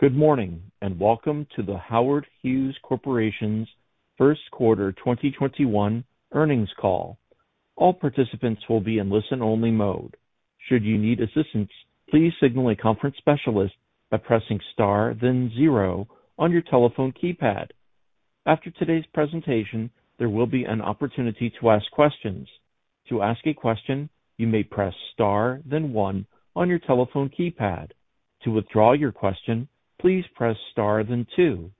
Good morning, and welcome to the Howard Hughes Corporation's first quarter 2021 earnings call. All participants will be in listen only mode. Should you need assistance, please signal a conference specialist by pressing star then zero on your telephone keypad. After today's presentation, there will be an opportunity to ask questions. To ask a question, you may press star then one on your telephone keypad. To withdraw your question, please press star then two.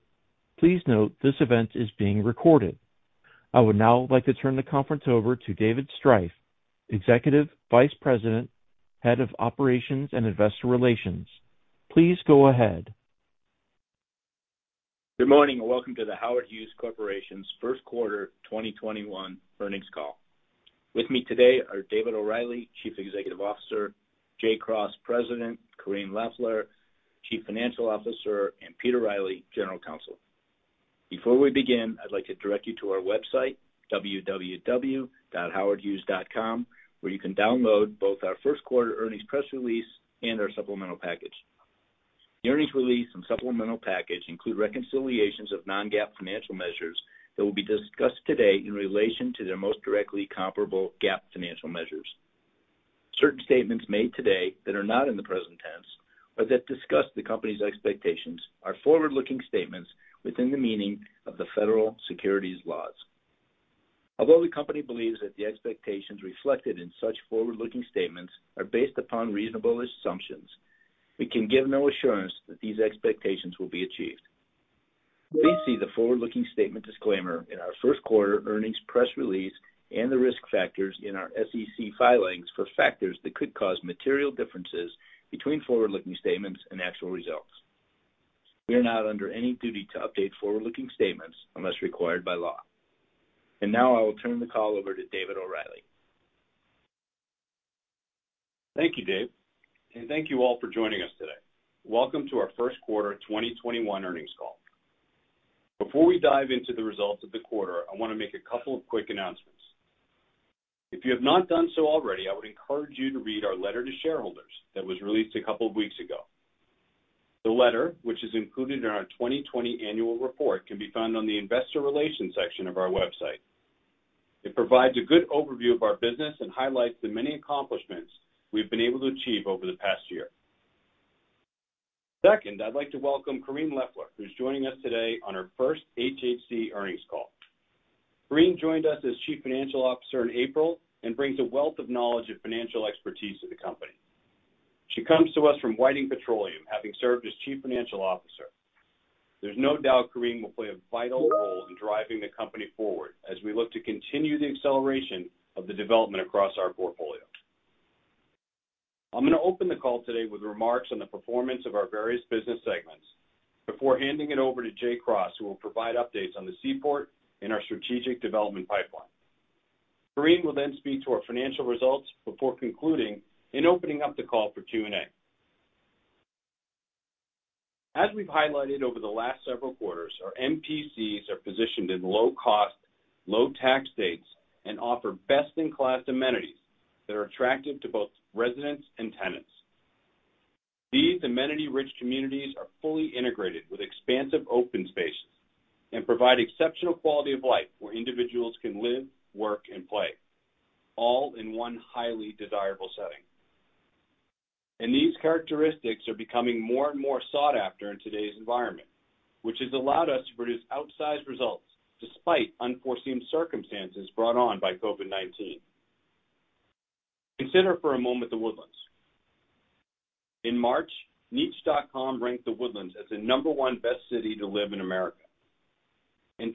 Please note this event is being recorded. I would now like to turn the conference over to David Striph, Executive Vice President, Head of Operations and Investor Relations. Please go ahead. Good morning, and welcome to the Howard Hughes Corporation's first quarter 2021 earnings call. With me today are David O'Reilly, Chief Executive Officer, Jay Cross, President, Correne Loeffler, Chief Financial Officer, and Peter Riley, General Counsel. Before we begin, I'd like to direct you to our website, www.howardhughes.com, where you can download both our first quarter earnings press release and our supplemental package. The earnings release and supplemental package include reconciliations of non-GAAP financial measures that will be discussed today in relation to their most directly comparable GAAP financial measures. Certain statements made today that are not in the present tense, or that discuss the company's expectations, are forward-looking statements within the meaning of the federal securities laws. Although the company believes that the expectations reflected in such forward-looking statements are based upon reasonable assumptions, we can give no assurance that these expectations will be achieved. Please see the forward-looking statement disclaimer in our first quarter earnings press release and the risk factors in our SEC filings for factors that could cause material differences between forward-looking statements and actual results. We are not under any duty to update forward-looking statements unless required by law. Now I will turn the call over to David O'Reilly. Thank you, Dave. Thank you all for joining us today. Welcome to our first quarter 2021 earnings call. Before we dive into the results of the quarter, I want to make a couple of quick announcements. If you have not done so already, I would encourage you to read our letter to shareholders that was released a couple of weeks ago. The letter, which is included in our 2020 annual report, can be found on the investor relations section of our website. It provides a good overview of our business and highlights the many accomplishments we've been able to achieve over the past year. Second, I'd like to welcome Correne Loeffler, who's joining us today on her first HHC earnings call. Correne joined us as Chief Financial Officer in April and brings a wealth of knowledge and financial expertise to the company. She comes to us from Whiting Petroleum, having served as Chief Financial Officer. There's no doubt Correne will play a vital role in driving the company forward as we look to continue the acceleration of the development across our portfolio. I'm going to open the call today with remarks on the performance of our various business segments before handing it over to Jay Cross, who will provide updates on the Seaport and our strategic development pipeline. Correne will then speak to our financial results before concluding and opening up the call for Q&A. As we've highlighted over the last several quarters, our MPCs are positioned in low-cost, low-tax states, and offer best-in-class amenities that are attractive to both residents and tenants. These amenity-rich communities are fully integrated with expansive open spaces and provide exceptional quality of life where individuals can live, work, and play, all in one highly desirable setting. These characteristics are becoming more and more sought after in today's environment, which has allowed us to produce outsized results despite unforeseen circumstances brought on by COVID-19. Consider for a moment The Woodlands. In March, Niche.com ranked The Woodlands as the number one best city to live in America.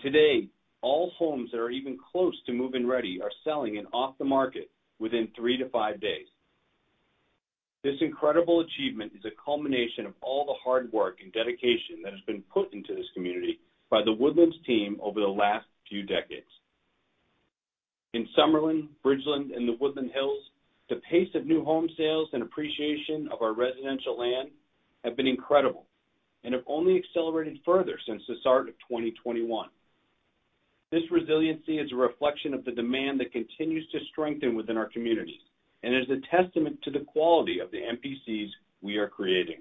Today, all homes that are even close to move-in ready are selling and off the market within 3-5 days. This incredible achievement is a culmination of all the hard work and dedication that has been put into this community by The Woodlands team over the last few decades. In Summerlin, Bridgeland, and The Woodlands Hills, the pace of new home sales and appreciation of our residential land have been incredible and have only accelerated further since the start of 2021. This resiliency is a reflection of the demand that continues to strengthen within our communities and is a testament to the quality of the MPCs we are creating.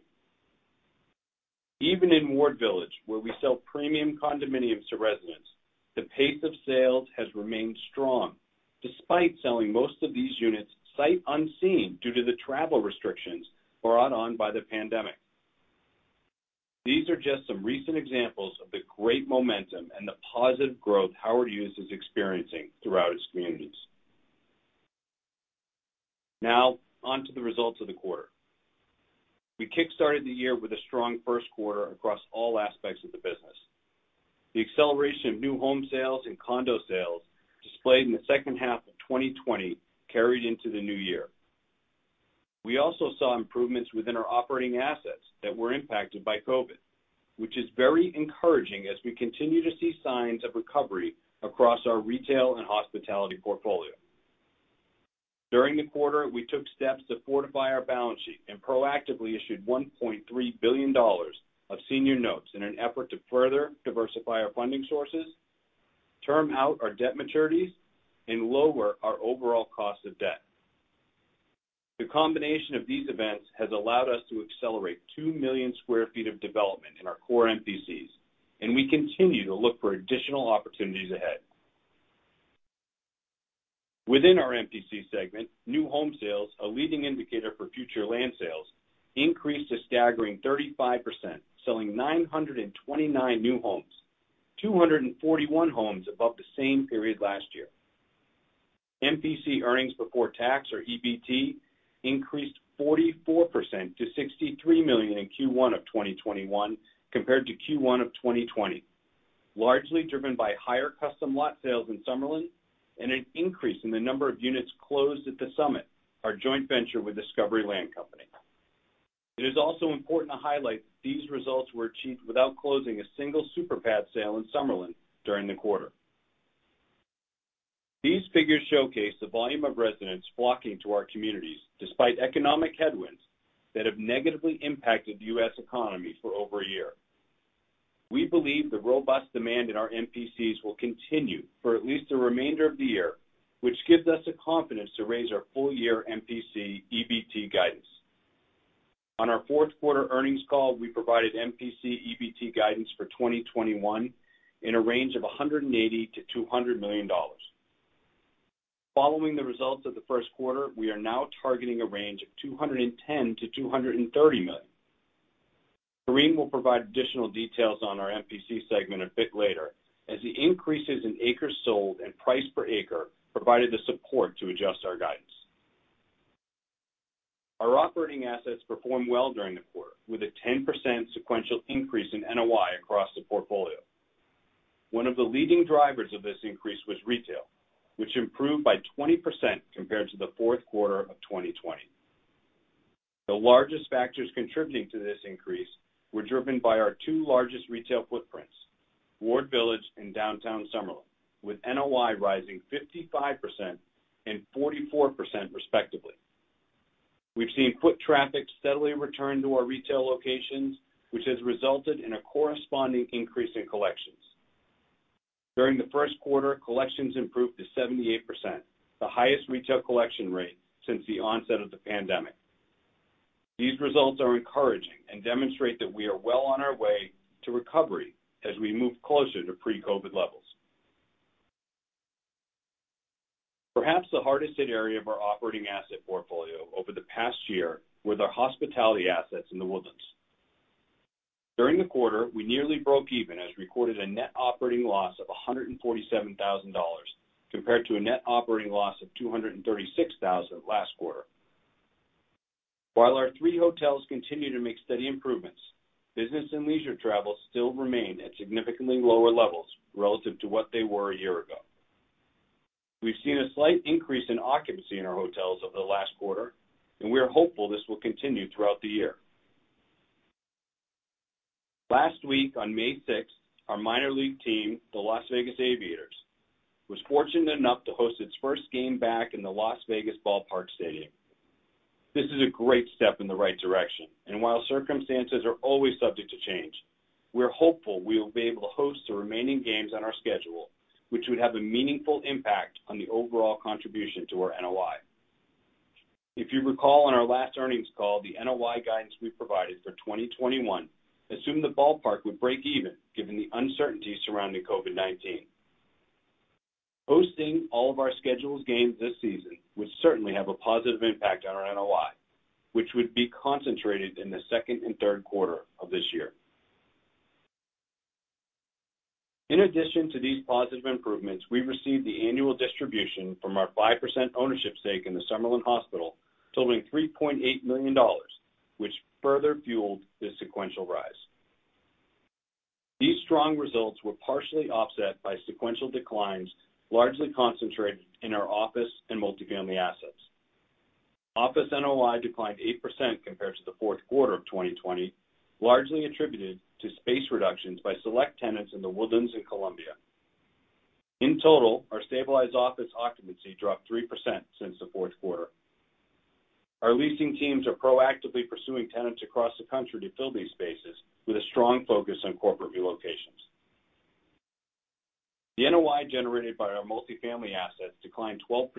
Even in Ward Village, where we sell premium condominiums to residents, the pace of sales has remained strong despite selling most of these units sight unseen due to the travel restrictions brought on by the pandemic. These are just some recent examples of the great momentum and the positive growth Howard Hughes is experiencing throughout its communities. Now on to the results of the quarter. We kickstarted the year with a strong first quarter across all aspects of the business. The acceleration of new home sales and condo sales displayed in the second half of 2020 carried into the new year. We also saw improvements within our operating assets that were impacted by COVID, which is very encouraging as we continue to see signs of recovery across our retail and hospitality portfolio. During the quarter, we took steps to fortify our balance sheet and proactively issued $1.3 billion of senior notes in an effort to further diversify our funding sources, term out our debt maturities, and lower our overall cost of debt. The combination of these events has allowed us to accelerate 2 million sq ft of development in our core MPCs, and we continue to look for additional opportunities ahead. Within our MPC segment, new home sales, a leading indicator for future land sales, increased a staggering 35%, selling 929 new homes, 241 homes above the same period last year. MPC earnings before tax, or EBT, increased 44% to $63 million in Q1 of 2021 compared to Q1 of 2020, largely driven by higher custom lot sales in Summerlin and an increase in the number of units closed at the Summit, our joint venture with Discovery Land Company. It is also important to highlight that these results were achieved without closing a single super pad sale in Summerlin during the quarter. These figures showcase the volume of residents flocking to our communities despite economic headwinds that have negatively impacted the U.S. economy for over a year. We believe the robust demand in our MPCs will continue for at least the remainder of the year, which gives us the confidence to raise our full-year MPC EBT guidance. On our fourth quarter earnings call, we provided MPC EBT guidance for 2021 in a range of $180 million-$200 million. Following the results of the first quarter, we are now targeting a range of $210 million-$230 million. Correne will provide additional details on our MPC segment a bit later as the increases in acres sold and price per acre provided the support to adjust our guidance. Our operating assets performed well during the quarter with a 10% sequential increase in NOI across the portfolio. One of the leading drivers of this increase was retail, which improved by 20% compared to the fourth quarter of 2020. The largest factors contributing to this increase were driven by our two largest retail footprints, Ward Village and Downtown Summerlin, with NOI rising 55% and 44% respectively. We've seen foot traffic steadily return to our retail locations, which has resulted in a corresponding increase in collections. During the first quarter, collections improved to 78%, the highest retail collection rate since the onset of the pandemic. These results are encouraging and demonstrate that we are well on our way to recovery as we move closer to pre-COVID levels. Perhaps the hardest hit area of our operating asset portfolio over the past year were the hospitality assets in The Woodlands. During the quarter, we nearly broke even as recorded a net operating loss of $147,000 compared to a net operating loss of $236,000 last quarter. While our three hotels continue to make steady improvements, business and leisure travel still remain at significantly lower levels relative to what they were a year ago. We've seen a slight increase in occupancy in our hotels over the last quarter, and we are hopeful this will continue throughout the year. Last week on May 6th, our minor league team, the Las Vegas Aviators, was fortunate enough to host its first game back in the Las Vegas Ballpark stadium. This is a great step in the right direction, and while circumstances are always subject to change, we're hopeful we will be able to host the remaining games on our schedule, which would have a meaningful impact on the overall contribution to our NOI. If you recall on our last earnings call, the NOI guidance we provided for 2021 assumed the ballpark would break even given the uncertainty surrounding COVID-19. Hosting all of our scheduled games this season would certainly have a positive impact on our NOI, which would be concentrated in the second and third quarter of this year. In addition to these positive improvements, we received the annual distribution from our 5% ownership stake in the Summerlin Hospital totaling $3.8 million, which further fueled this sequential rise. These strong results were partially offset by sequential declines, largely concentrated in our office and multifamily assets. Office NOI declined 8% compared to the fourth quarter of 2020, largely attributed to space reductions by select tenants in The Woodlands and Columbia. In total, our stabilized office occupancy dropped 3% since the fourth quarter. Our leasing teams are proactively pursuing tenants across the country to fill these spaces with a strong focus on corporate relocations. The NOI generated by our multifamily assets declined 12%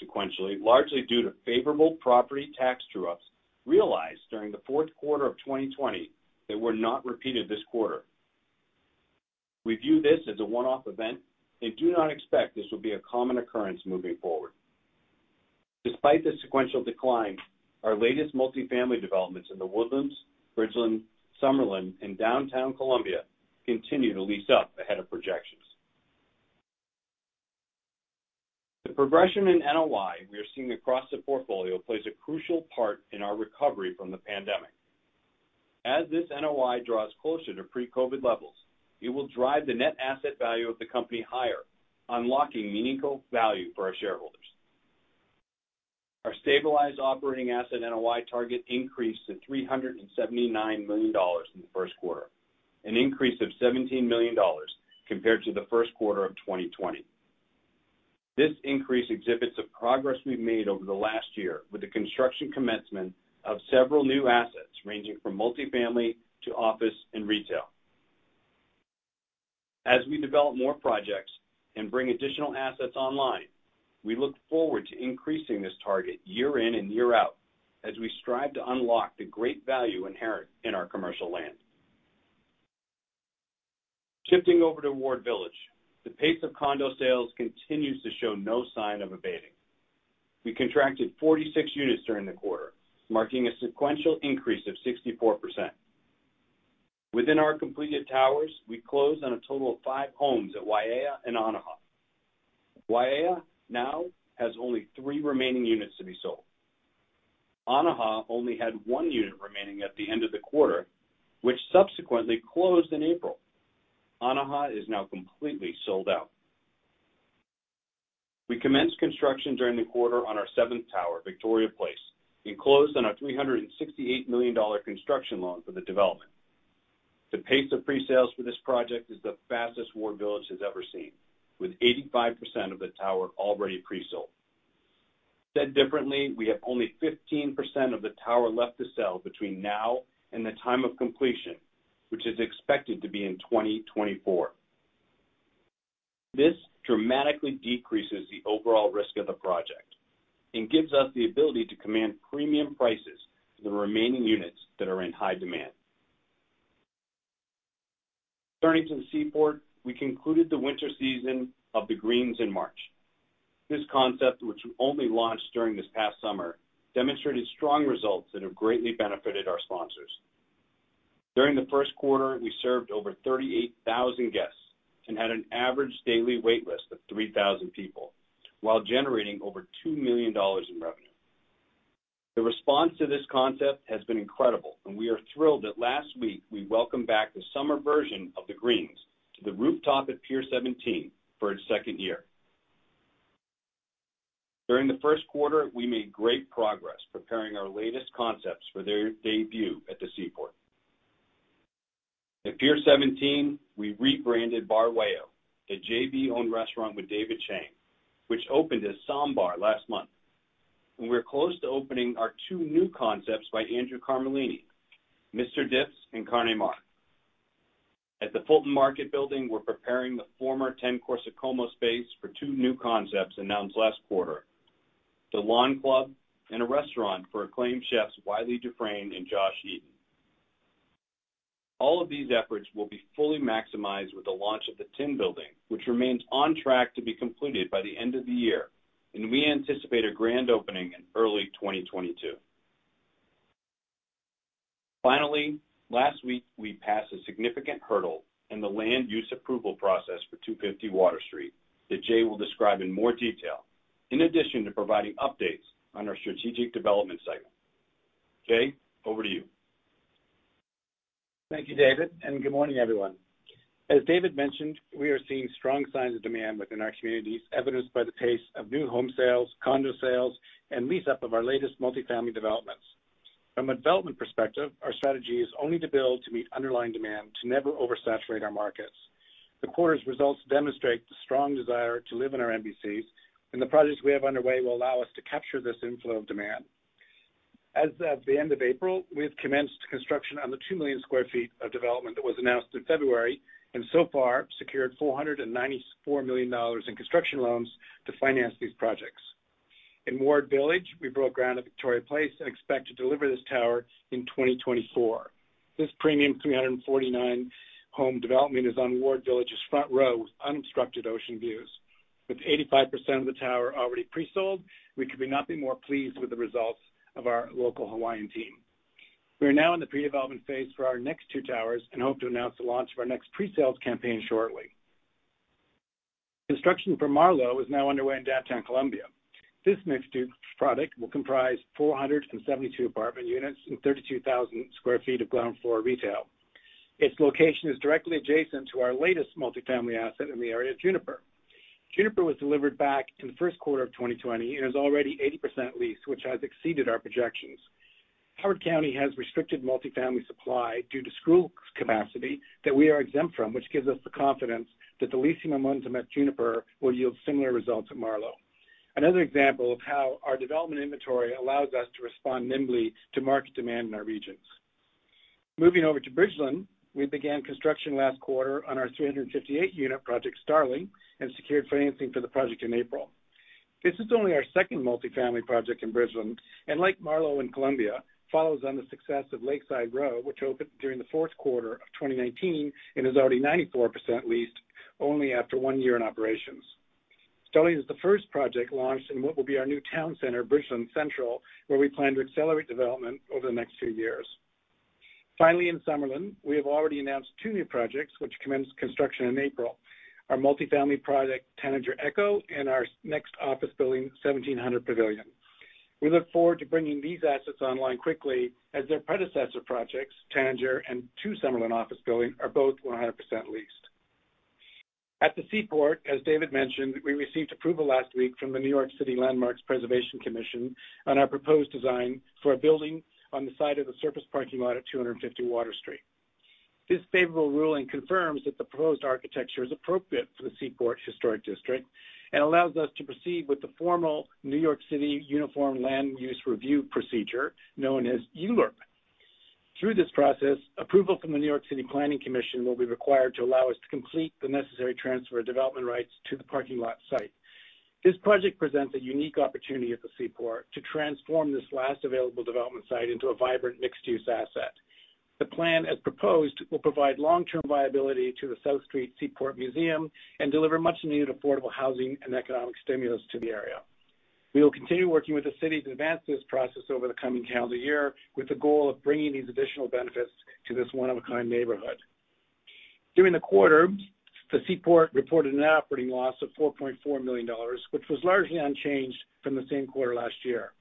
sequentially, largely due to favorable property tax true-ups realized during the fourth quarter of 2020 that were not repeated this quarter. We view this as a one-off event and do not expect this will be a common occurrence moving forward. Despite the sequential decline, our latest multifamily developments in The Woodlands, Richland, Summerlin, and downtown Columbia continue to lease up ahead of projections. The progression in NOI we are seeing across the portfolio plays a crucial part in our recovery from the pandemic. As this NOI draws closer to pre-COVID levels, it will drive the net asset value of the company higher, unlocking meaningful value for our shareholders. Our stabilized operating asset NOI target increased to $379 million in the first quarter, an increase of $17 million compared to the first quarter of 2020. This increase exhibits the progress we've made over the last year with the construction commencement of several new assets, ranging from multifamily to office and retail. As we develop more projects and bring additional assets online, we look forward to increasing this target year in and year out as we strive to unlock the great value inherent in our commercial land. Shifting over to Ward Village, the pace of condo sales continues to show no sign of abating. We contracted 46 units during the quarter, marking a sequential increase of 64%. Within our completed towers, we closed on a total of five homes at Waiea and Anaha. Waiea now has only three remaining units to be sold. Anaha only had one unit remaining at the end of the quarter, which subsequently closed in April. Anaha is now completely sold out. We commenced construction during the quarter on our seventh tower, Victoria Place, and closed on our $368 million construction loan for the development. The pace of pre-sales for this project is the fastest Ward Village has ever seen, with 85% of the tower already pre-sold. Said differently, we have only 15% of the tower left to sell between now and the time of completion, which is expected to be in 2024. This dramatically decreases the overall risk of the project and gives us the ability to command premium prices for the remaining units that are in high demand. Turning to the Seaport, we concluded the winter season of The Greens in March. This concept, which we only launched during this past summer, demonstrated strong results that have greatly benefited our sponsors. During the first quarter, we served over 38,000 guests and had an average daily wait list of 3,000 people while generating over $2 million in revenue. The response to this concept has been incredible, and we are thrilled that last week we welcomed back the summer version of The Greens to the rooftop at Pier 17 for its second year. During the first quarter, we made great progress preparing our latest concepts for their debut at the Seaport. At Pier 17, we rebranded Bar Wayō, the JV-owned restaurant with David Chang, which opened as Ssam Bar last month. We're close to opening our two new concepts by Andrew Carmellini, Mister Dips and Carne Mare. At the Fulton Market Building, we're preparing the former 10 Corso Como space for two new concepts announced last quarter, The Lawn Club and a restaurant for acclaimed chefs Wylie Dufresne and Josh Eden. All of these efforts will be fully maximized with the launch of the Tin Building, which remains on track to be completed by the end of the year, and we anticipate a grand opening in early 2022. Last week, we passed a significant hurdle in the land use approval process for 250 Water Street that Jay will describe in more detail. In addition to providing updates on our strategic development cycle. Jay, over to you. Thank you, David, and good morning, everyone. As David mentioned, we are seeing strong signs of demand within our communities, evidenced by the pace of new home sales, condo sales, and lease up of our latest multifamily developments. From a development perspective, our strategy is only to build to meet underlying demand to never oversaturate our markets. The quarter's results demonstrate the strong desire to live in our NBCs, and the projects we have underway will allow us to capture this inflow of demand. As of the end of April, we have commenced construction on the 2 million sq ft of development that was announced in February and so far secured $494 million in construction loans to finance these projects. In Ward Village, we broke ground at Victoria Place and expect to deliver this tower in 2024. This premium 349-home development is on Ward Village's front row with unobstructed ocean views. With 85% of the tower already pre-sold, we could not be more pleased with the results of our local Hawaiian team. We are now in the pre-development phase for our next two towers and hope to announce the launch of our next pre-sales campaign shortly. Construction for Marlow is now underway in Downtown Columbia. This mixed-use product will comprise 472 apartment units and 32,000 sq ft of ground floor retail. Its location is directly adjacent to our latest multifamily asset in the area, Juniper. Juniper was delivered back in the first quarter of 2020 and is already 80% leased, which has exceeded our projections. Howard County has restricted multifamily supply due to school capacity that we are exempt from, which gives us the confidence that the leasing momentum at Juniper will yield similar results at Marlow. Another example of how our development inventory allows us to respond nimbly to market demand in our regions. Moving over to Bridgeland, we began construction last quarter on our 358-unit project, Starling, and secured financing for the project in April. This is only our second multifamily project in Bridgeland, and like Marlow in Columbia, follows on the success of Lakeside Row, which opened during the fourth quarter of 2019 and is already 94% leased only after one year in operations. Starling is the first project launched in what will be our new town center, Bridgeland Central, where we plan to accelerate development over the next few years. Finally, in Summerlin, we have already announced two new projects which commenced construction in April, our multifamily project, Tanager Echo, and our next office building, 1700 Pavilion. We look forward to bringing these assets online quickly as their predecessor projects, Tanager and Two Summerlin office building, are both 100% leased. At the Seaport, as David mentioned, we received approval last week from the New York City Landmarks Preservation Commission on our proposed design for a building on the side of the surface parking lot at 250 Water Street. This favorable ruling confirms that the proposed architecture is appropriate for the Seaport Historic District and allows us to proceed with the formal New York City Uniform Land Use Review Procedure, known as ULURP. Through this process, approval from the New York City Planning Commission will be required to allow us to complete the necessary transfer of development rights to the parking lot site. This project presents a unique opportunity at the Seaport to transform this last available development site into a vibrant mixed-use asset. The plan, as proposed, will provide long-term viability to the South Street Seaport Museum and deliver much-needed affordable housing and economic stimulus to the area. We will continue working with the city to advance this process over the coming calendar year with the goal of bringing these additional benefits to this one-of-a-kind neighborhood. During the quarter, the Seaport reported a net operating loss of $4.4 million, which was largely unchanged from the same quarter last year.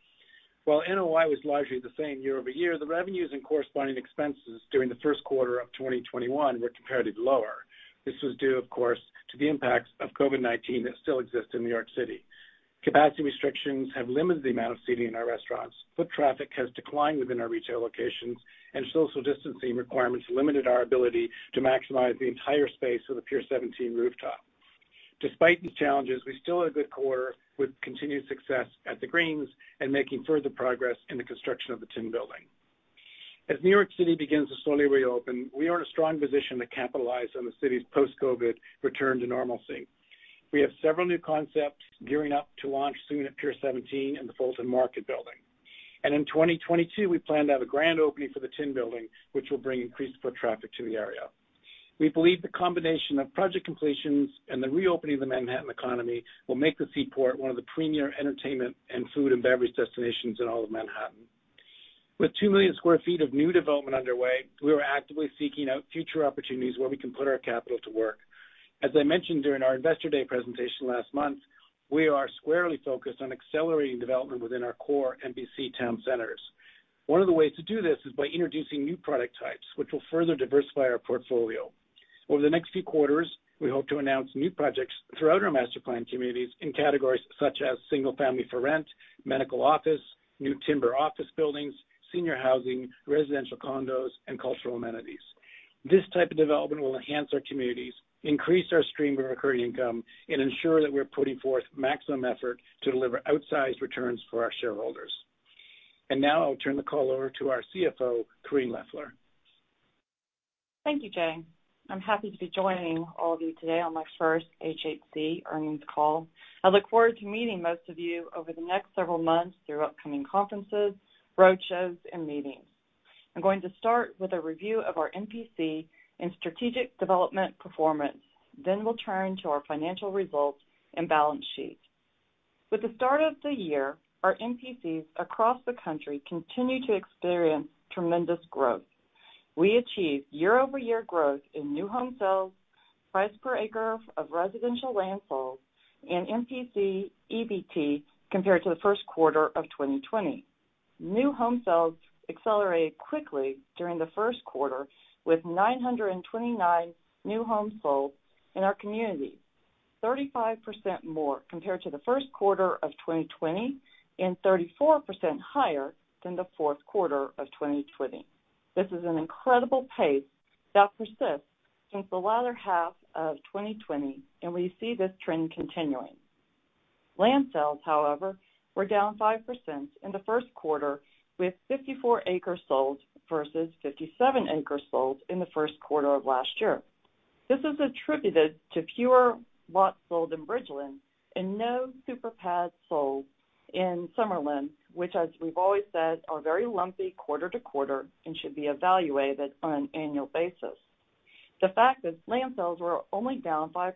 While NOI was largely the same year-over-year, the revenues and corresponding expenses during the first quarter of 2021 were comparatively lower. This was due, of course, to the impacts of COVID-19 that still exist in New York City. Capacity restrictions have limited the amount of seating in our restaurants, foot traffic has declined within our retail locations, and social distancing requirements limited our ability to maximize the entire space of the Pier 17 rooftop. Despite these challenges, we still had a good quarter with continued success at The Greens and making further progress in the construction of the Tin Building. As New York City begins to slowly reopen, we are in a strong position to capitalize on the city's post-COVID return to normalcy. We have several new concepts gearing up to launch soon at Pier 17 and the Fulton Market building. In 2022, we plan to have a grand opening for the Tin Building, which will bring increased foot traffic to the area. We believe the combination of project completions and the reopening of the Manhattan economy will make the Seaport one of the premier entertainment and food and beverage destinations in all of Manhattan. With 2 million sq ft of new development underway, we are actively seeking out future opportunities where we can put our capital to work. As I mentioned during our Investor Day presentation last month, we are squarely focused on accelerating development within our core MPC town centers. One of the ways to do this is by introducing new product types, which will further diversify our portfolio. Over the next few quarters, we hope to announce new projects throughout our master-planned communities in categories such as single-family for rent, medical office, new timber office buildings, senior housing, residential condos, and cultural amenities. This type of development will enhance our communities, increase our stream of recurring income, and ensure that we're putting forth maximum effort to deliver outsized returns for our shareholders. Now I'll turn the call over to our CFO, Correne Loeffler. Thank you, Jay. I'm happy to be joining all of you today on my first HHC earnings call. I look forward to meeting most of you over the next several months through upcoming conferences, roadshows, and meetings. I'm going to start with a review of our MPC and strategic development performance. We'll turn to our financial results and balance sheet. With the start of the year, our MPCs across the country continue to experience tremendous growth. We achieved year-over-year growth in new home sales, price per acre of residential land sales, and MPC EBT compared to the first quarter of 2020. New home sales accelerated quickly during the first quarter with 929 new homes sold in our community, 35% more compared to the first quarter of 2020 and 34% higher than the fourth quarter of 2020. This is an incredible pace that persists since the latter half of 2020, and we see this trend continuing. Land sales, however, were down 5% in the first quarter, with 54 acres sold versus 57 acres sold in the first quarter of last year. This is attributed to fewer lots sold in Bridgeland and no super pads sold in Summerlin, which, as we've always said, are very lumpy quarter to quarter and should be evaluated on an annual basis. The fact that land sales were only down 5%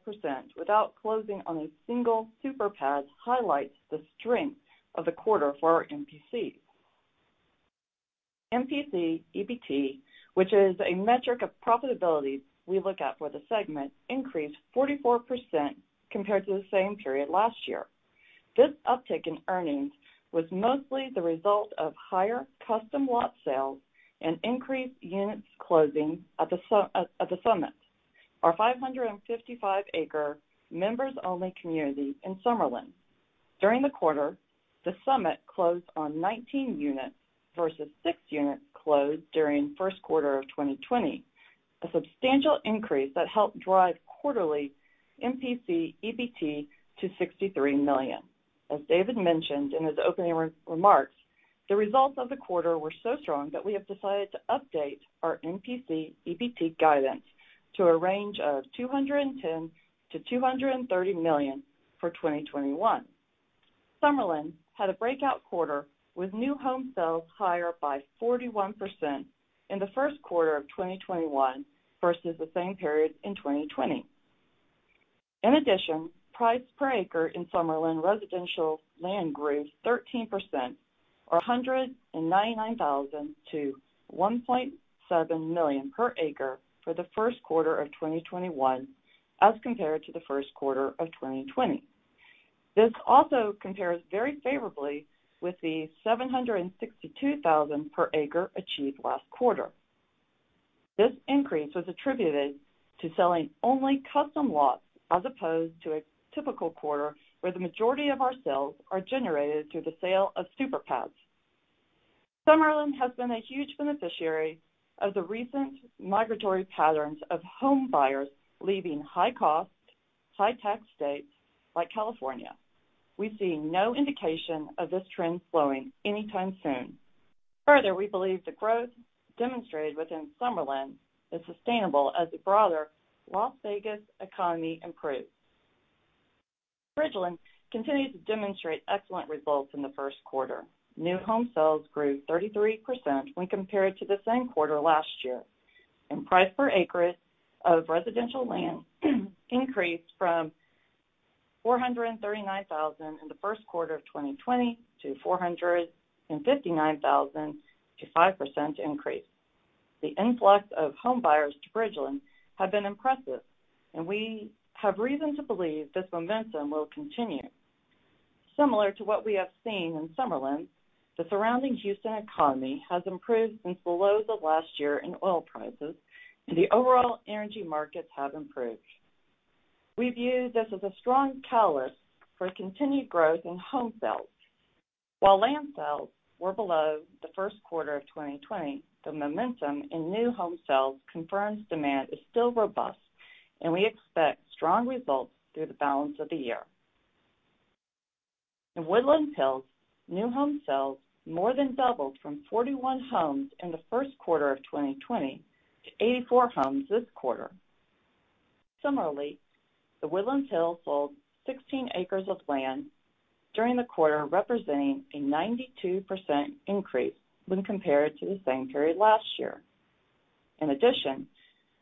without closing on a single super pad highlights the strength of the quarter for our MPC. MPC EBT, which is a metric of profitability we look at for the segment, increased 44% compared to the same period last year. This uptick in earnings was mostly the result of higher custom lot sales and increased units closing at The Summit, our 555-acre members-only community in Summerlin. During the quarter, The Summit closed on 19 units versus 6 units closed during the first quarter of 2020, a substantial increase that helped drive quarterly MPC EBT to $63 million. As David mentioned in his opening remarks, the results of the quarter were so strong that we have decided to update our MPC EBT guidance to a range of $210 million-$230 million for 2021. Summerlin had a breakout quarter with new home sales higher by 41% in the first quarter of 2021 versus the same period in 2020. In addition, price per acre in Summerlin residential land grew 13%, or $199,000 to $1.7 million per acre for the first quarter of 2021 as compared to the first quarter of 2020. This also compares very favorably with the $762,000 per acre achieved last quarter. This increase was attributed to selling only custom lots as opposed to a typical quarter where the majority of our sales are generated through the sale of super pads. Summerlin has been a huge beneficiary of the recent migratory patterns of home buyers leaving high-cost, high-tax states like California. We see no indication of this trend slowing anytime soon. We believe the growth demonstrated within Summerlin is sustainable as the broader Las Vegas economy improves. Bridgeland continues to demonstrate excellent results in the first quarter. New home sales grew 33% when compared to the same quarter last year, and price per acreage of residential land increased from $439,000 in the first quarter of 2020 to $459,000, a 5% increase. The influx of home buyers to Bridgeland have been impressive, and we have reason to believe this momentum will continue. Similar to what we have seen in Summerlin, the surrounding Houston economy has improved since below the last year in oil prices, and the overall energy markets have improved. We view this as a strong catalyst for continued growth in home sales. While land sales were below the first quarter of 2020, the momentum in new home sales confirms demand is still robust, and we expect strong results through the balance of the year. In Woodlands Hills, new home sales more than doubled from 41 homes in the first quarter of 2020 to 84 homes this quarter. Similarly, The Woodlands Hills sold 16 acres of land during the quarter, representing a 92% increase when compared to the same period last year.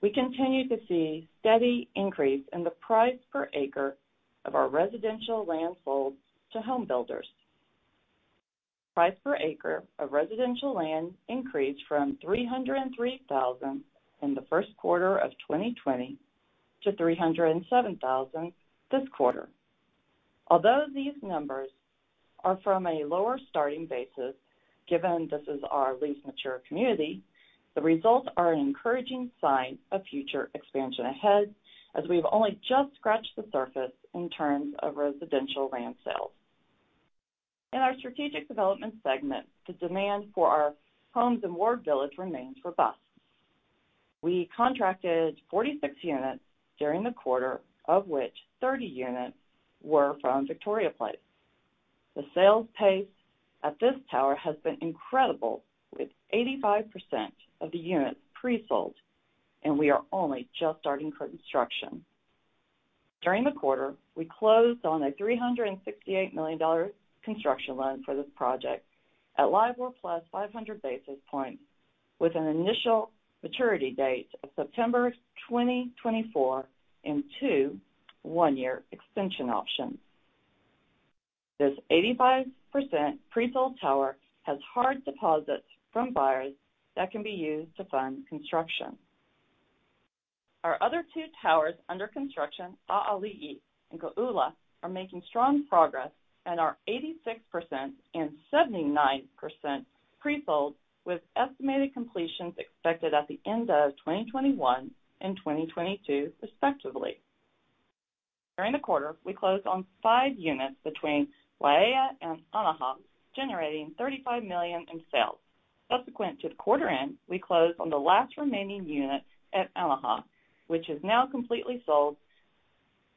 We continue to see a steady increase in the price per acre of our residential land sold to home builders. Price per acre of residential land increased from $303,000 in the first quarter of 2020 to $307,000 this quarter. Although these numbers are from a lower starting basis, given this is our least mature community, the results are an encouraging sign of future expansion ahead, as we've only just scratched the surface in terms of residential land sales. In our strategic development segment, the demand for our Homes at Ward Village remains robust. We contracted 46 units during the quarter, of which 30 units were from Victoria Place. The sales pace at this tower has been incredible, with 85% of the units pre-sold, and we are only just starting construction. During the quarter, we closed on a $368 million construction loan for this project at LIBOR plus 500 basis points, with an initial maturity date of September 2024 and two one-year extension options. This 85% pre-sold tower has hard deposits from buyers that can be used to fund construction. Our other two towers under construction, A'ali'i and Kō'ula, are making strong progress and are 86% and 79% pre-sold, with estimated completions expected at the end of 2021 and 2022, respectively. During the quarter, we closed on five units between Waiea and Aloha, generating $35 million in sales. Subsequent to quarter end, we closed on the last remaining units at Aloha, which is now completely sold,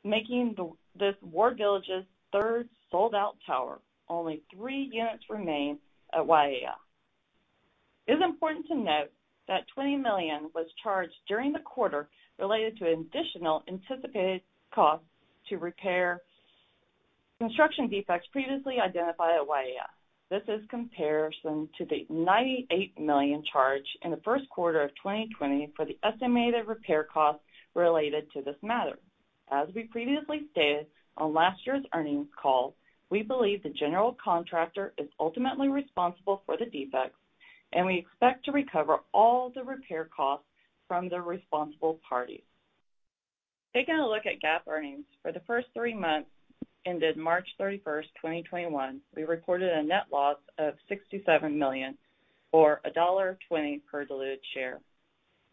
making this Ward Village's third sold-out tower. Only three units remain at Waiea. It is important to note that $20 million was charged during the quarter related to additional anticipated costs to repair construction defects previously identified at Waiea. This is comparison to the $98 million charged in the first quarter of 2020 for the estimated repair costs related to this matter. We previously stated on last year's earnings call, we believe the general contractor is ultimately responsible for the defects, and we expect to recover all the repair costs from the responsible parties. Taking a look at GAAP earnings for the first three months ended March 31st, 2021, we recorded a net loss of $67 million or $1.20 per diluted share,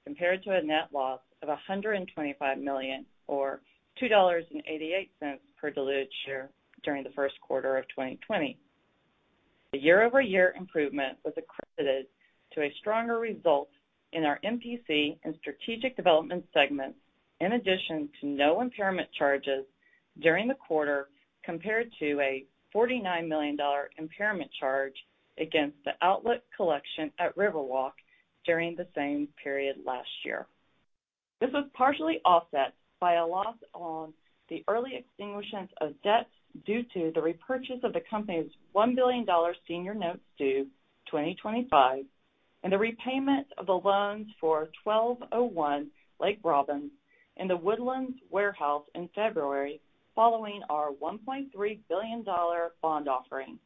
compared to a net loss of $125 million or $2.88 per diluted share during the first quarter of 2020. The year-over-year improvement was accredited to stronger results in our MPC and strategic development segments, in addition to no impairment charges during the quarter, compared to a $49 million impairment charge against the Outlet Collection at Riverwalk during the same period last year. This was partially offset by a loss on the early extinguishment of debts due to the repurchase of the company's $1 billion senior notes due 2025 and the repayment of the loans for 1201 Lake Robbins and the Woodlands warehouse in February, following our $1.3 billion bond offering.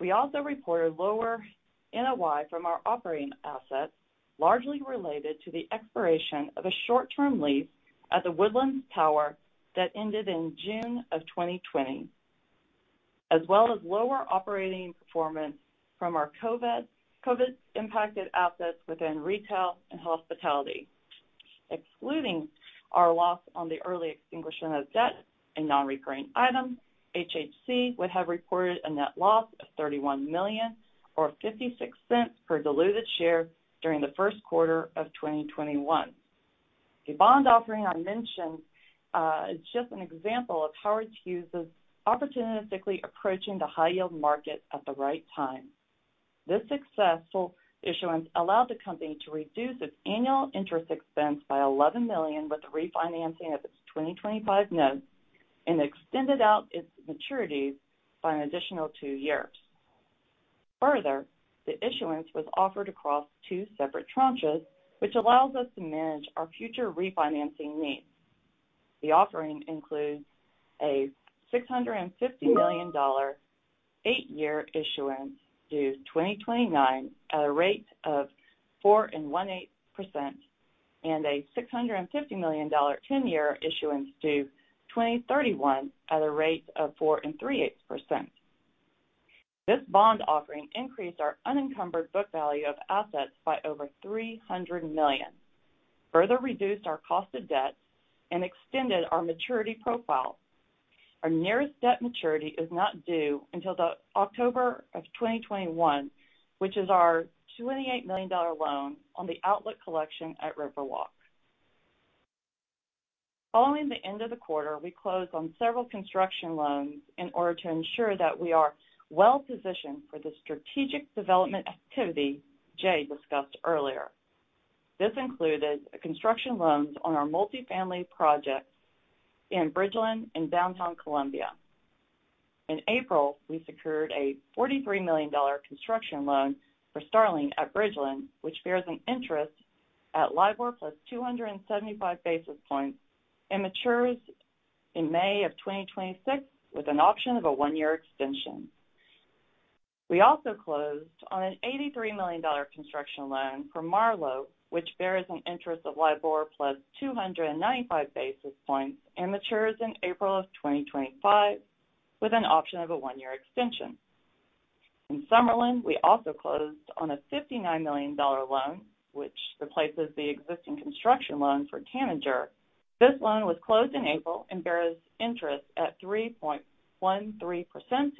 We also reported lower NOI from our operating assets, largely related to the expiration of a short-term lease at the Woodlands tower that ended in June of 2020, as well as lower operating performance from our COVID-impacted assets within retail and hospitality. Excluding our loss on the early extinguishment of debt and non-recurring items, HHC would have reported a net loss of $31 million or $0.56 per diluted share during the first quarter of 2021. The bond offering I mentioned is just an example of Howard Hughes opportunistically approaching the high-yield market at the right time. This successful issuance allowed the company to reduce its annual interest expense by $11 million with the refinancing of its 2025 notes and extended out its maturities by an additional two years. Further, the issuance was offered across two separate tranches, which allows us to manage our future refinancing needs. The offering includes a $650 million eight-year issuance due 2029 at a rate of 4.18%, and a $650 million 10-year issuance due 2031 at a rate of 4.38%. This bond offering increased our unencumbered book value of assets by over $300 million, further reduced our cost of debt, and extended our maturity profile. Our nearest debt maturity is not due until October of 2021, which is our $28 million loan on the outlet collection at Riverwalk. Following the end of the quarter, we closed on several construction loans in order to ensure that we are well-positioned for the strategic development activity Jay discussed earlier. This included construction loans on our multifamily projects in Bridgeland and Downtown Columbia. In April, we secured a $43 million construction loan for Starling at Bridgeland, which bears an interest at LIBOR plus 275 basis points and matures in May of 2026 with an option of a one-year extension. We also closed on an $83 million construction loan for Marlowe, which bears an interest of LIBOR plus 295 basis points and matures in April of 2025 with an option of a one-year extension. In Summerlin, we also closed on a $59 million loan, which replaces the existing construction loan for Tanager. This loan was closed in April and bears interest at 3.13%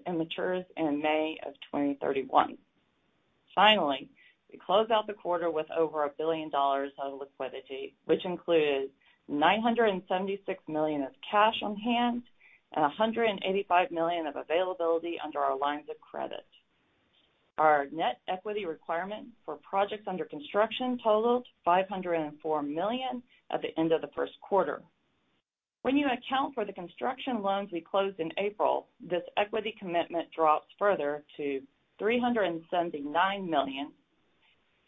and matures in May of 2031. Finally, we closed out the quarter with over $1 billion of liquidity, which included $976 million of cash on hand and $185 million of availability under our lines of credit. Our net equity requirement for projects under construction totaled $504 million at the end of the first quarter. When you account for the construction loans we closed in April, this equity commitment drops further to $379 million.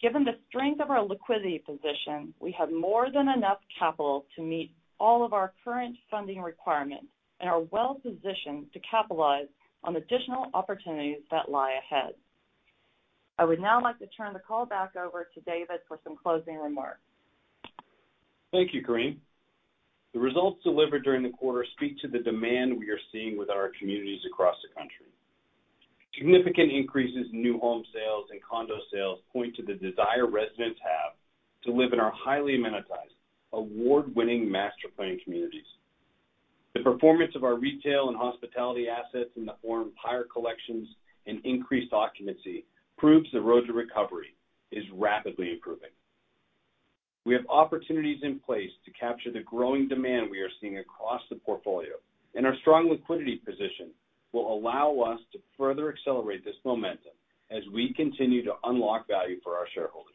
Given the strength of our liquidity position, we have more than enough capital to meet all of our current funding requirements and are well-positioned to capitalize on additional opportunities that lie ahead. I would now like to turn the call back over to David for some closing remarks. Thank you, Correne. The results delivered during the quarter speak to the demand we are seeing with our communities across the country. Significant increases in new home sales and condo sales point to the desire residents have to live in our highly amenitized, award-winning master planned communities. The performance of our retail and hospitality assets in the form of higher collections and increased occupancy proves the road to recovery is rapidly improving. We have opportunities in place to capture the growing demand we are seeing across the portfolio, and our strong liquidity position will allow us to further accelerate this momentum as we continue to unlock value for our shareholders.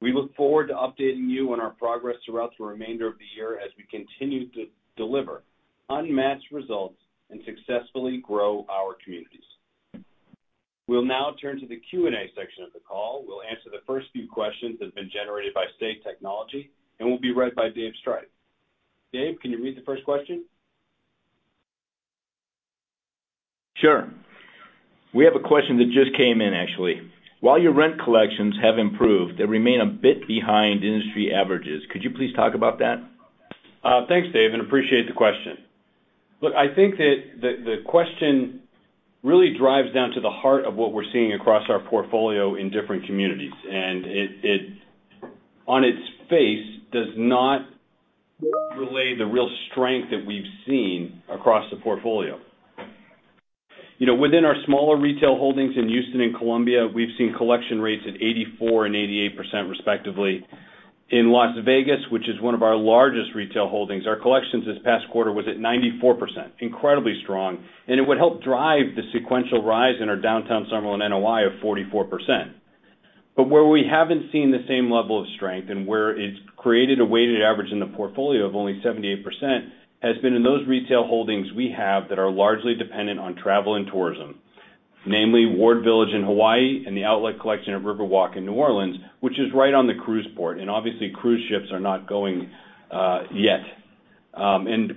We look forward to updating you on our progress throughout the remainder of the year as we continue to deliver unmatched results and successfully grow our communities. We'll now turn to the Q&A section of the call. We'll answer the first few questions that have been generated by Say Technologies, and will be read by Dave Striph. Dave, can you read the first question? Sure. We have a question that just came in, actually. While your rent collections have improved, they remain a bit behind industry averages. Could you please talk about that? Thanks, Dave, and appreciate the question. Look, I think that the question really drives down to the heart of what we're seeing across our portfolio in different communities. It, on its face, does not relay the real strength that we've seen across the portfolio. Within our smaller retail holdings in Houston and Columbia, we've seen collection rates at 84% and 88% respectively. In Las Vegas, which is one of our largest retail holdings, our collections this past quarter was at 94%, incredibly strong, and it would help drive the sequential rise in our downtown Summerlin NOI of 44%. Where we haven't seen the same level of strength and where it's created a weighted average in the portfolio of only 78% has been in those retail holdings we have that are largely dependent on travel and tourism, namely Ward Village in Hawaii and the outlet collection at Riverwalk in New Orleans, which is right on the cruise port. Obviously, cruise ships are not going yet.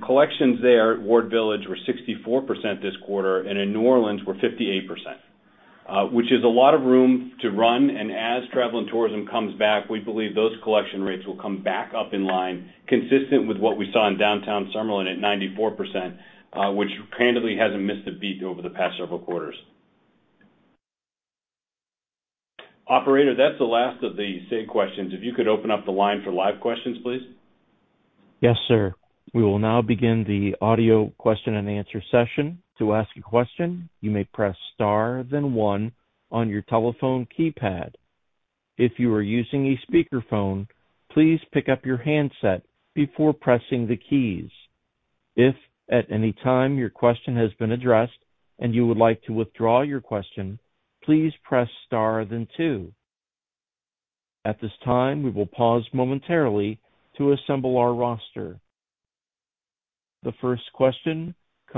Collections there at Ward Village were 64% this quarter, and in New Orleans were 58%, which is a lot of room to run. As travel and tourism comes back, we believe those collection rates will come back up in line consistent with what we saw in Downtown Summerlin at 94%, which candidly hasn't missed a beat over the past several quarters. Operator, that's the last of the saved questions. If you could open up the line for live questions, please. Yes, sir. The first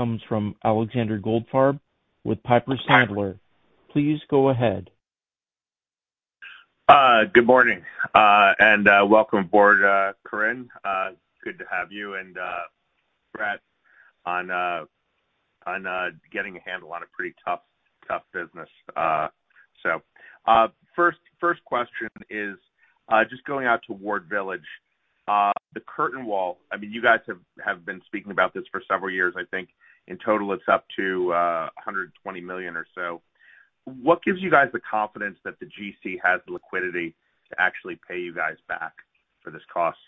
question comes from Alexander Goldfarb with Piper Sandler. Please go ahead. Good morning, welcome aboard, Correne. Good to have you and Brett on getting a handle on a pretty tough business. First question is just going out to Ward Village. The curtain wall, you guys have been speaking about this for several years, I think in total it's up to $120 million or so. What gives you guys the confidence that the GC has the liquidity to actually pay you guys back for this cost?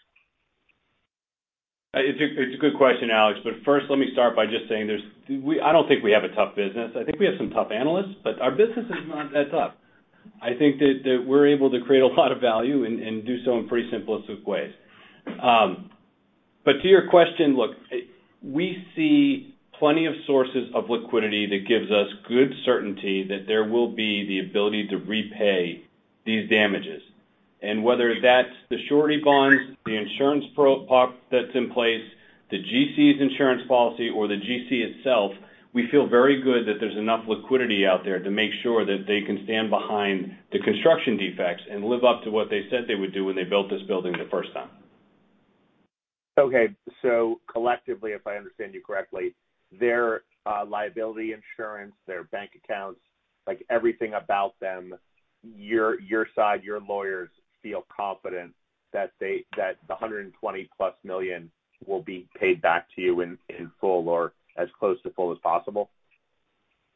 It's a good question, Alex. First let me start by just saying I don't think we have a tough business. I think we have some tough analysts, our business is not that tough. I think that we're able to create a lot of value and do so in pretty simplistic ways. To your question, look, we see plenty of sources of liquidity that gives us good certainty that there will be the ability to repay these damages. Whether that's the surety bonds, the insurance part that's in place, the GC's insurance policy or the GC itself, we feel very good that there's enough liquidity out there to make sure that they can stand behind the construction defects. Live up to what they said they would do when they built this building the first time. Okay. Collectively, if I understand you correctly, their liability insurance, their bank accounts, everything about them, your side, your lawyers feel confident that the $120 plus million will be paid back to you in full or as close to full as possible?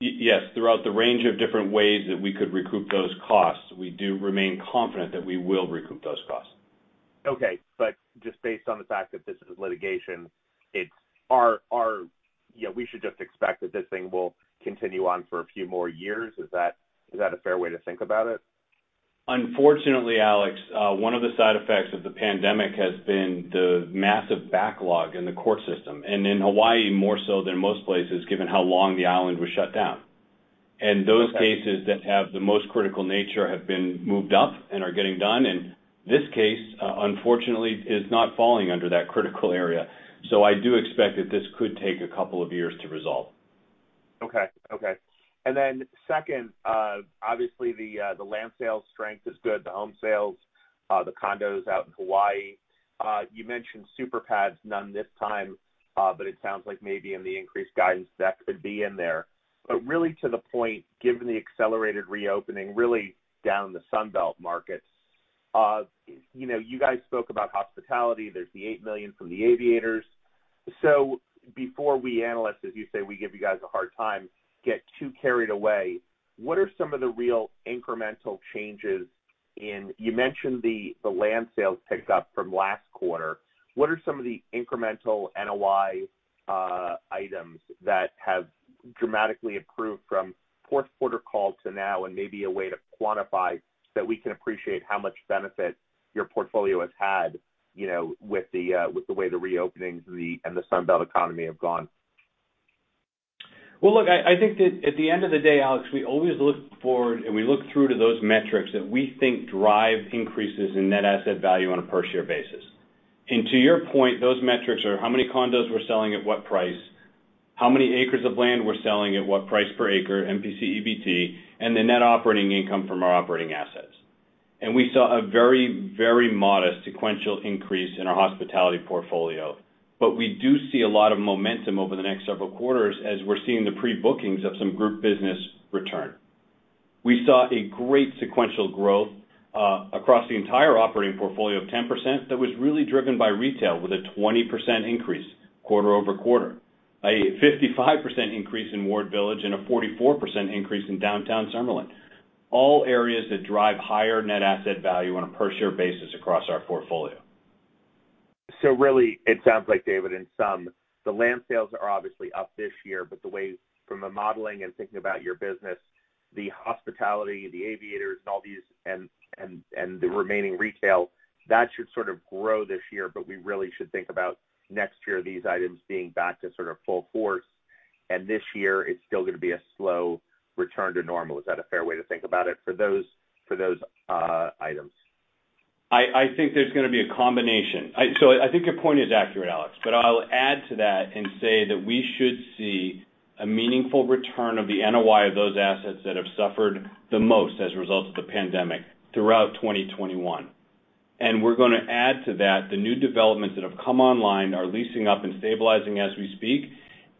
Yes. Throughout the range of different ways that we could recoup those costs, we do remain confident that we will recoup those costs. Okay. Just based on the fact that this is litigation, we should just expect that this thing will continue on for a few more years. Is that a fair way to think about it? Unfortunately, Alex, one of the side effects of the pandemic has been the massive backlog in the court system, and in Hawaii more so than most places, given how long the island was shut down. Those cases that have the most critical nature have been moved up and are getting done, and this case, unfortunately, is not falling under that critical area. I do expect that this could take a couple of years to resolve. Okay. Second, obviously the land sale strength is good, the home sales, the condos out in Hawaii. You mentioned super pads, none this time, it sounds like maybe in the increased guidance that could be in there. Really to the point, given the accelerated reopening, really down the Sun Belt markets. You guys spoke about hospitality. There's the $8 million from the Aviators. Before we analysts, as you say, we give you guys a hard time, get too carried away. You mentioned the land sales picked up from last quarter. What are some of the incremental NOI items that have dramatically improved from fourth quarter call to now? Maybe a way to quantify so we can appreciate how much benefit your portfolio has had with the way the reopenings and the Sun Belt economy have gone. Look, I think that at the end of the day, Alex, we always look forward and we look through to those metrics that we think drive increases in net asset value on a per share basis. To your point, those metrics are how many condos we're selling at what price, how many acres of land we're selling at what price per acre, MPC, EBT, and the net operating income from our operating assets. We saw a very modest sequential increase in our hospitality portfolio, but we do see a lot of momentum over the next several quarters as we're seeing the pre-bookings of some group business return. We saw a great sequential growth across the entire operating portfolio of 10% that was really driven by retail with a 20% increase quarter-over-quarter. A 55% increase in Ward Village and a 44% increase in Downtown Summerlin. All areas that drive higher net asset value on a per share basis across our portfolio. Really it sounds like, David, in sum, the land sales are obviously up this year, but the way from a modeling and thinking about your business, the hospitality, the Aviators and all these, and the remaining retail, that should sort of grow this year, but we really should think about next year these items being back to sort of full force. This year it's still going to be a slow return to normal. Is that a fair way to think about it for those items? I think there's going to be a combination. I think your point is accurate, Alex, but I'll add to that and say that we should see a meaningful return of the NOI of those assets that have suffered the most as a result of the pandemic throughout 2021. We're going to add to that the new developments that have come online are leasing up and stabilizing as we speak,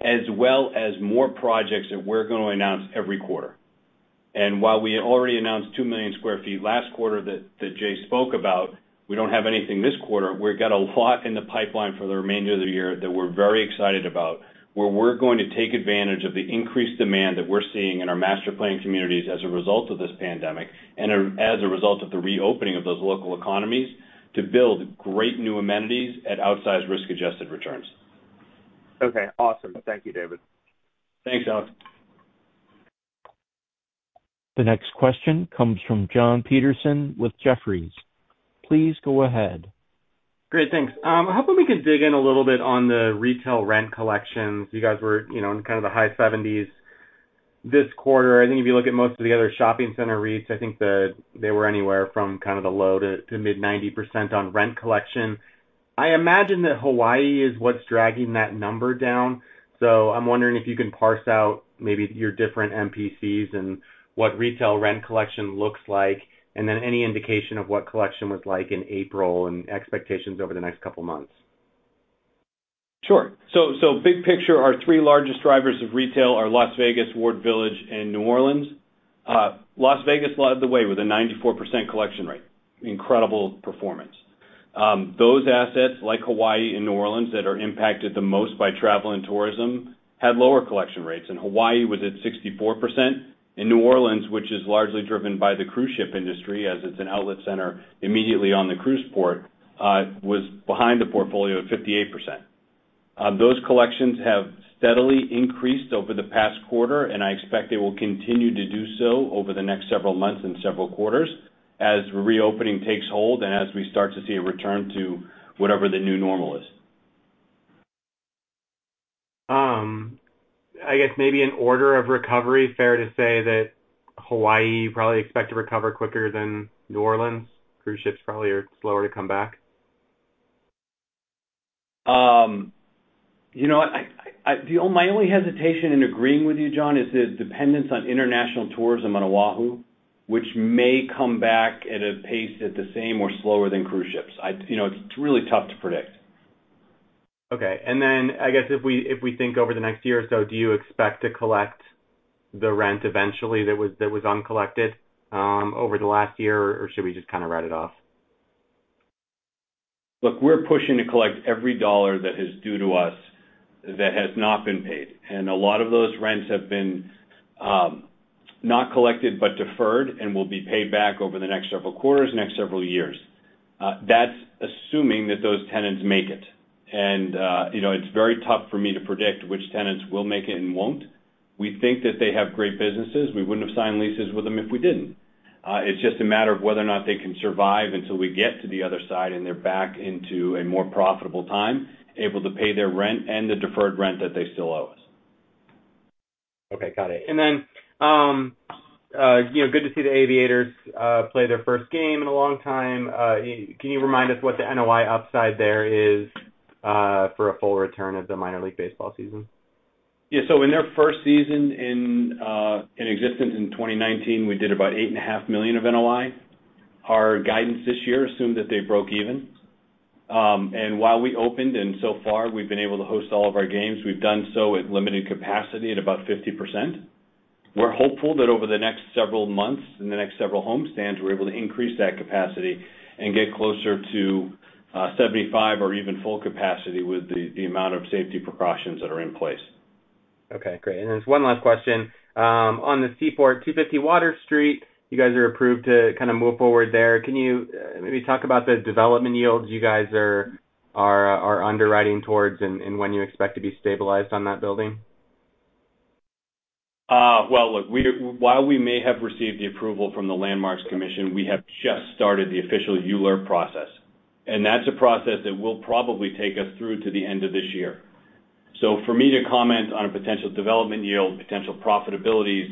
as well as more projects that we're going to announce every quarter. While we already announced 2 million sq ft last quarter that Jay spoke about, we don't have anything this quarter. We've got a lot in the pipeline for the remainder of the year that we're very excited about, where we're going to take advantage of the increased demand that we're seeing in our master-planned communities as a result of this pandemic and as a result of the reopening of those local economies to build great new amenities at outsized risk-adjusted returns. Okay, awesome. Thank you, David. Thanks, Alex. The next question comes from Jon Petersen with Jefferies. Please go ahead. Great, thanks. I hope that we can dig in a little bit on the retail rent collections. You guys were in kind of the high 70s this quarter, I think if you look at most of the other shopping center REITs, I think they were anywhere from kind of the low to mid 90% on rent collection. I imagine that Hawaii is what's dragging that number down. I'm wondering if you can parse out maybe your different MPCs and what retail rent collection looks like, and then any indication of what collection was like in April and expectations over the next couple of months. Big picture, our three largest drivers of retail are Las Vegas, Ward Village and New Orleans. Las Vegas led the way with a 94% collection rate. Incredible performance. Those assets, like Hawaii and New Orleans, that are impacted the most by travel and tourism, had lower collection rates, and Hawaii was at 64%. In New Orleans, which is largely driven by the cruise ship industry, as it's an outlet center immediately on the cruise port, was behind the portfolio at 58%. Those collections have steadily increased over the past quarter, and I expect they will continue to do so over the next several months and several quarters as reopening takes hold and as we start to see a return to whatever the new normal is. I guess maybe in order of recovery, fair to say that Hawaii probably expect to recover quicker than New Orleans. Cruise ships probably are slower to come back. You know what? My only hesitation in agreeing with you, Jon, is the dependence on international tourism on Oahu, which may come back at a pace at the same or slower than cruise ships. It's really tough to predict. Okay. I guess if we think over the next year or so, do you expect to collect the rent eventually that was uncollected over the last year, or should we just kind of write it off? Look, we're pushing to collect every dollar that is due to us that has not been paid. A lot of those rents have been not collected, but deferred and will be paid back over the next several quarters, next several years. That's assuming that those tenants make it. It's very tough for me to predict which tenants will make it and won't. We think that they have great businesses. We wouldn't have signed leases with them if we didn't. It's just a matter of whether or not they can survive until we get to the other side and they're back into a more profitable time, able to pay their rent and the deferred rent that they still owe us. Okay, got it. Good to see the Aviators play their first game in a long time. Can you remind us what the NOI upside there is for a full return of the Minor League Baseball season? Yeah. In their first season in existence in 2019, we did about $8.5 million of NOI. Our guidance this year assumed that they broke even. While we opened, and so far we've been able to host all of our games, we've done so at limited capacity at about 50%. We're hopeful that over the next several months, in the next several home stands, we're able to increase that capacity and get closer to 75 or even full capacity with the amount of safety precautions that are in place. Okay, great. There's one last question. On the Seaport 250 Water Street, you guys are approved to kind of move forward there. Can you maybe talk about the development yields you guys are underwriting towards and when you expect to be stabilized on that building? Well, look, while we may have received the approval from the Landmarks Commission, we have just started the official ULURP process, and that's a process that will probably take us through to the end of this year. For me to comment on a potential development yield, potential profitabilities,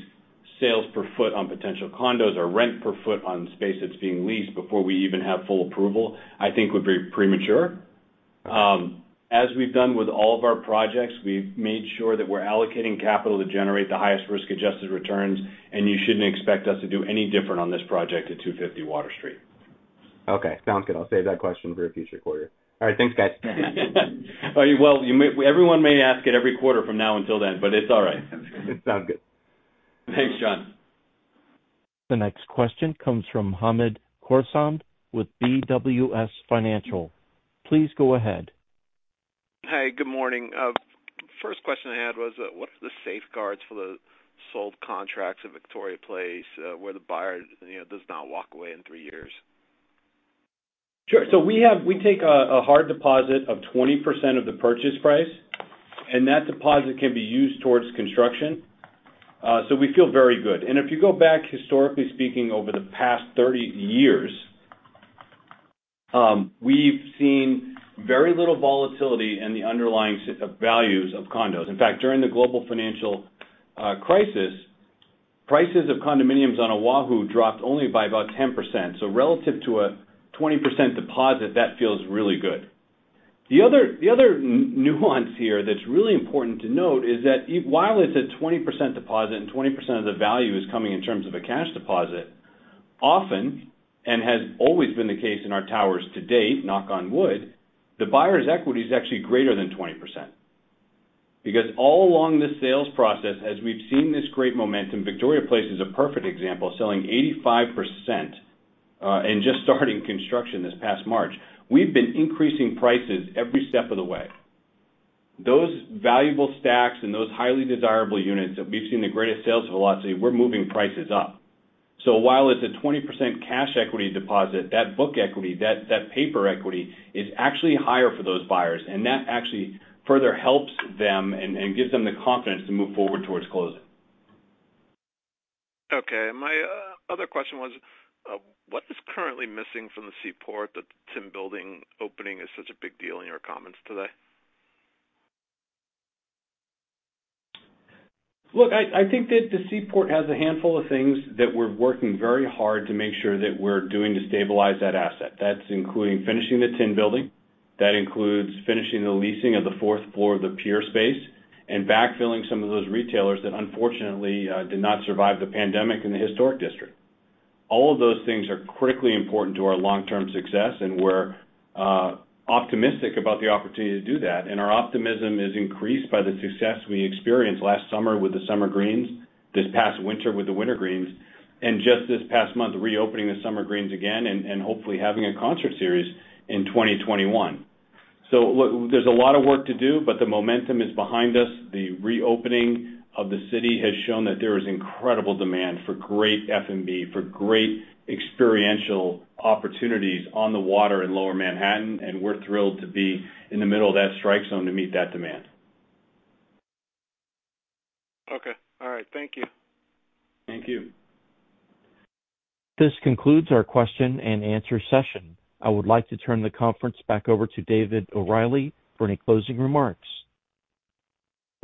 sales per foot on potential condos or rent per foot on space that's being leased before we even have full approval, I think would be premature. As we've done with all of our projects, we've made sure that we're allocating capital to generate the highest risk-adjusted returns, and you shouldn't expect us to do any different on this project at 250 Water Street. Okay, sounds good. I'll save that question for a future quarter. All right, thanks, guys. Well, everyone may ask it every quarter from now until then, but it's all right. Sounds good. Thanks, Jon. The next question comes from Hamed Khorsand with BWS Financial. Please go ahead. Hey, good morning. First question I had was, what are the safeguards for the sold contracts at Victoria Place where the buyer does not walk away in three years? Sure. We take a hard deposit of 20% of the purchase price, and that deposit can be used towards construction. We feel very good. If you go back, historically speaking, over the past 30 years, we've seen very little volatility in the underlying values of condos. In fact, during the global financial crisis, prices of condominiums on Oahu dropped only by about 10%. Relative to a 20% deposit, that feels really good. The other nuance here that's really important to note is that while it's a 20% deposit and 20% of the value is coming in terms of a cash deposit, often, and has always been the case in our towers to date, knock on wood, the buyer's equity is actually greater than 20%. Because all along the sales process, as we've seen this great momentum, Victoria Place is a perfect example, selling 85% and just starting construction this past March. We've been increasing prices every step of the way. Those valuable stacks and those highly desirable units that we've seen the greatest sales velocity, we're moving prices up. While it's a 20% cash equity deposit, that book equity, that paper equity is actually higher for those buyers, and that actually further helps them and gives them the confidence to move forward towards closing. Okay. My other question was, what is currently missing from the Seaport that the Tin Building opening is such a big deal in your comments today? Look, I think that the Seaport has a handful of things that we're working very hard to make sure that we're doing to stabilize that asset. That's including finishing the Tin Building, that includes finishing the leasing of the fourth floor of the Pier space and backfilling some of those retailers that unfortunately did not survive the pandemic in the historic district. All of those things are critically important to our long-term success, and we're optimistic about the opportunity to do that. Our optimism is increased by the success we experienced last summer with the Summer Greens, this past winter with the Winter Greens, and just this past month, reopening the Summer Greens again and hopefully having a concert series in 2021. Look, there's a lot of work to do, but the momentum is behind us. The reopening of the city has shown that there is incredible demand for great F&B, for great experiential opportunities on the water in Lower Manhattan, and we're thrilled to be in the middle of that strike zone to meet that demand. Okay, all right. Thank you. Thank you. This concludes our question and answer session. I would like to turn the conference back over to David O'Reilly for any closing remarks.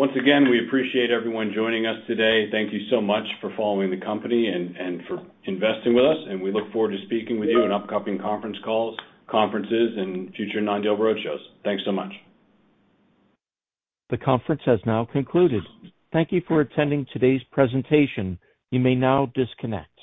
Once again, we appreciate everyone joining us today. Thank you so much for following the company and for investing with us, and we look forward to speaking with you in upcoming conference calls, conferences, and future non-deal roadshows. Thanks so much. The conference has now concluded. Thank you for attending today's presentation. You may now disconnect.